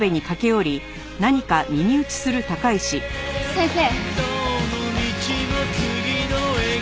先生。